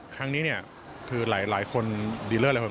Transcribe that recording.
ครั้งนี้คือหลายคนดีเลอร์คน